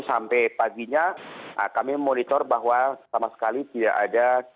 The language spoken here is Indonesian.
sampai paginya kami monitor bahwa sama sekali tidak ada